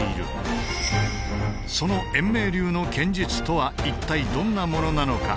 その円明流の剣術とは一体どんなものなのか。